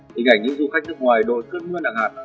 hình ảnh những du khách nước ngoài đội cơn mưa đẳng hạt